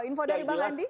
info dari bang andi